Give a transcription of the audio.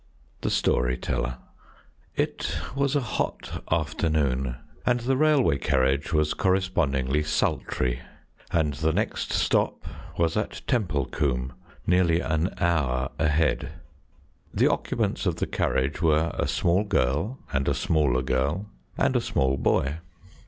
THE STORY TELLER It was a hot afternoon, and the railway carriage was correspondingly sultry, and the next stop was at Templecombe, nearly an hour ahead. The occupants of the carriage were a small girl, and a smaller girl, and a small boy.